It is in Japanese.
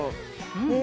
うん！